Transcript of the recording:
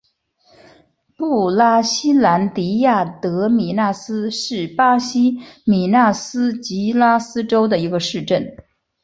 布拉西兰迪亚德米纳斯是巴西米纳斯吉拉斯州的一个市镇。